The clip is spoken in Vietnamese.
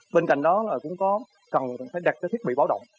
bên cạnh đó là cũng có cần phải đặt cái thiết bị báo động